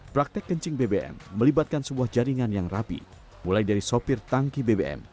praktek kencing bbm melibatkan sebuah jaringan yang rapi mulai dari sopir tangki bbm